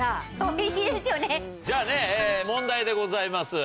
じゃあねっ問題でございます。